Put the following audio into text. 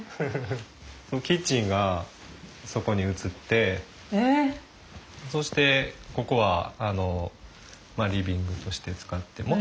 キッチンがそこに移ってそしてここはリビングとして使って。